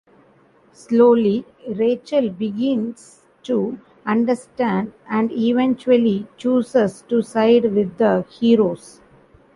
Slowly, Rachel begins to understand and eventually chooses to side with the heroes.